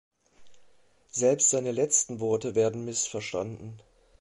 Selbst seine letzten Worte werden missverstanden.